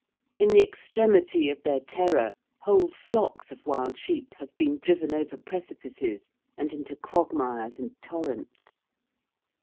In the extremity of their terror whole flocks of wild sheep have been driven over precipices and into quagmires and torrents.